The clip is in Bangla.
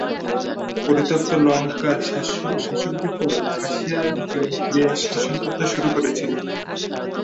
পরিত্যক্ত লঙ্কার শাসকদের পর, খাসিয়া-জৈন্তিয়া শাসন করতে শুরু করেছিল।